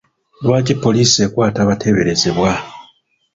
Lwaki poliisi ekwata abateeberezebwa?